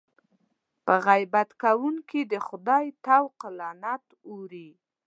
په غیبت کوونکي د خدای طوق لعنت اورېږي.